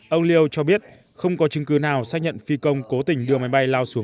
ông liêu cho biết không có chứng cứ nào xác nhận phi công cố tình đưa máy bay lao xuống